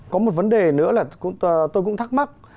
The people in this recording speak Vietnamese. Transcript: có một vấn đề nữa là tôi cũng thắc mắc